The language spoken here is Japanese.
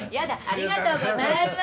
ありがとうございます。